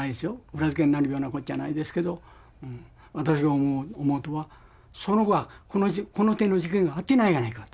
裏付けになるようなこっちゃないですけど私が思うとはその後はこの手の事件があってないやないかと。